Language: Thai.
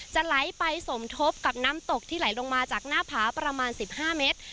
ไหลไปสมทบกับน้ำตกที่ไหลลงมาจากหน้าผาประมาณ๑๕เมตร